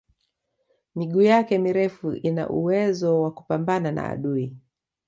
miguu yake mirefu ina uwezo wa kupambana na adui